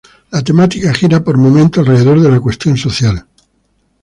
La temática gira por momentos alrededor de la cuestión social.